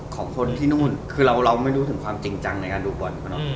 ของคนที่นู่นคือเราไม่รู้ถึงความจริงจังในการดูบอล